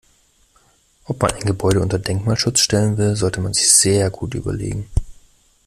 Ob man ein Gebäude unter Denkmalschutz stellen will, sollte man sich sehr gut überlegen.